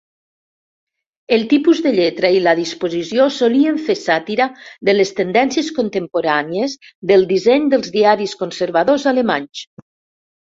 El tipus de lletra i la disposició solien fer sàtira de les tendències contemporànies del disseny dels diaris conservadors alemanys.